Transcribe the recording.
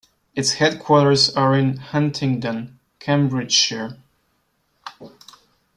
Its headquarters are in Huntingdon, Cambridgeshire.